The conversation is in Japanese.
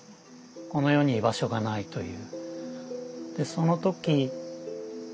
この世に居場所がないという。